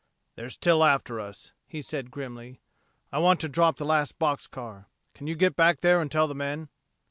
"They're still after us," he said grimly. "I want to drop the last box car. Can you get back there and tell the men?"